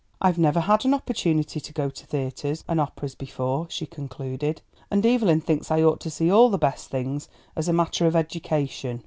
"I've never had an opportunity to go to theatres and operas before," she concluded, "and Evelyn thinks I ought to see all the best things as a matter of education."